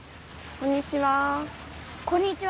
こんにちは。